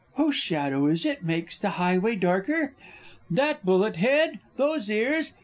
Whose shadow is it makes the highway darker? That bullet head! those ears!